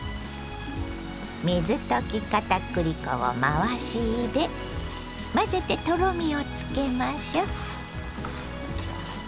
水溶き片栗粉を回し入れ混ぜてとろみをつけましょう。